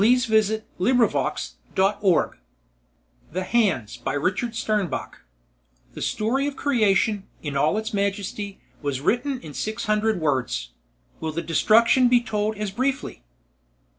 net AN AMAZING VIGNETTE THE HANDS BY RICHARD STERNBACH _The story of the creation, in all its majesty, was written in six hundred words. Will the destruction be told as briefly?